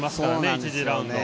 １次ラウンド。